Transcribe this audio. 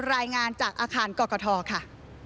รายงานจากอาคารกรกฐค่ะ